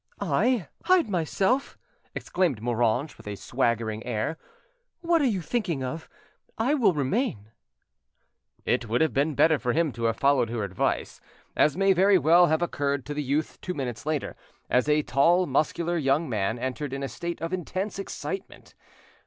"I hide myself!" exclaimed Moranges, with a swaggering air. "What are you thinking of? I remain." It would have been better for him to have followed her advice, as may very well have occurred to the youth two minutes later, as a tall, muscular young man entered in a state of intense excitement.